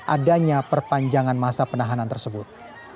adanya perpanjangan masa penahanan tersebut